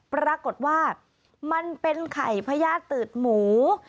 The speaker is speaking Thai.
ปรากฏว่ามันเป็นไข่พญาติตืดหมู